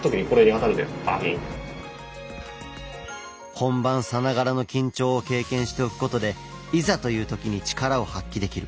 本番さながらの緊張を経験しておくことでいざという時に力を発揮できる。